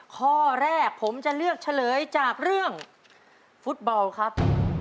ข้อแรกผมจะเลือกเฉลยจากเรื่องฟุตบอลครับ